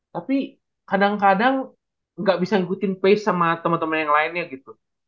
tapi kadang kadang gak bisa ngikutin pace sama temen temen yang lainnya gitu